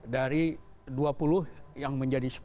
dari dua puluh yang menjadi sepuluh